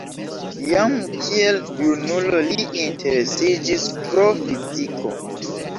Jam kiel junulo li interesiĝis pro fiziko.